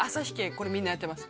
これみんなやってます